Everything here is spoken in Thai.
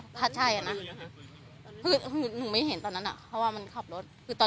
คือตอนนั้นฉันไม่เห็นใช่อย่างนี้ฉันก็กลัวต่อล่ะ